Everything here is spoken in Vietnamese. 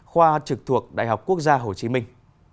khoa trực thuộc đại học quốc gia hồ chí minh